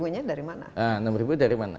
enam nya dari mana